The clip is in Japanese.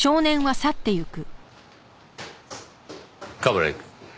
冠城くん。